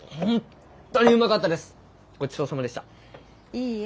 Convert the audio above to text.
いいえ。